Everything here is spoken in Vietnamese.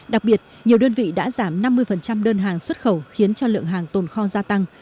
đặc biệt nhiều đơn vị đã giảm năm mươi đơn hàng xuất khẩu khiến cho lượng hàng tồn kho gia tăng